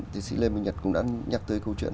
tiến sĩ lê minh nhật cũng đã nhắc tới câu chuyện